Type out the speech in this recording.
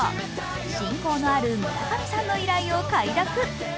親交のある村上さんの依頼を快諾。